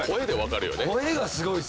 声がすごいっすね。